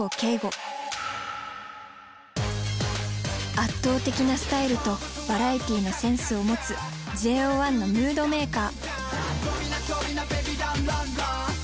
圧倒的なスタイルとバラエティーのセンスを持つＪＯ１のムードメーカー。